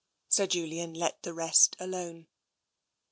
Sir Julian let the rest alone.